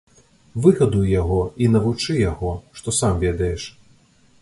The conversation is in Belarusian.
Выгадуй яго і навучы яго, што сам ведаеш.